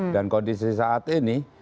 dan kondisi saat ini